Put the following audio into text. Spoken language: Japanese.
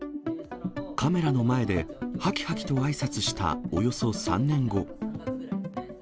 カメラの前で、はきはきとあいさつしたおよそ３年後。